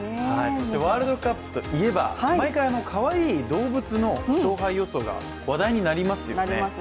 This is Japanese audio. そしてワールドカップといえば毎回かわいい動物の勝敗予想が話題になりますよね